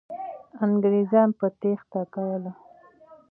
انګریزان به تېښته کوله.